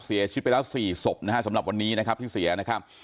เสียชีวิตไปแล้ว๔ศพนะฮะสำหรับวันนี้นะครับที่เสียนะครับ